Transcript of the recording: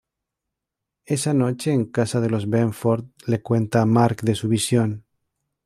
Esa noche, en casa de los Benford, le cuenta a Mark de su visión.